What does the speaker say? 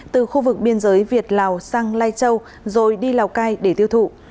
từ khu vực biên giới việt lào sang lai châu rồi đi lào cai để tiêu thụ